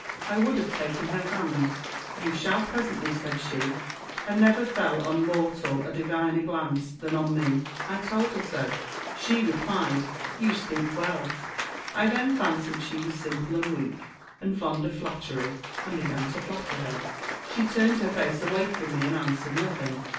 I would have taken her hand :' You shall presently,' said she : and never fell on mortal a diviner glance than on me. I told her so. She replied, ' You speak well.' I then fancied she was simple and weak, and fond of flattery, and began to flatter her. She turned her face away from me and answered nothing.